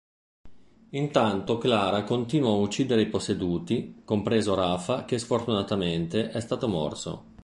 Intanto Clara continua a uccidere i posseduti, compreso Rafa che sfortunatamente è stato morso.